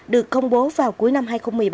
được công bố vào cuối năm hai nghìn một mươi ba